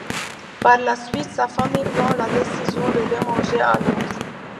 Par la suite, sa famille prend la décision de déménager à Londres.